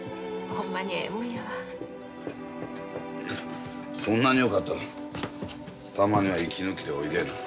そんなによかったらたまには息抜きでおいでな。